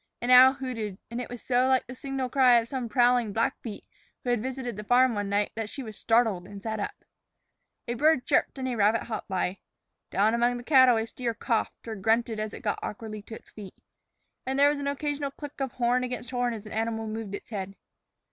An owl hooted, and it was so like the signal cry of some prowling Blackfeet who had visited the farm one night that she was startled and sat up. A bird chirped and a rabbit hopped by. Down among the cattle a steer coughed, or grunted as it got awkwardly to its feet. And there was an occasional click of horn against horn as an animal moved its head.